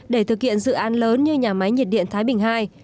để thực hiện dự án lớn như nhà máy nhiệt điện thái bình ii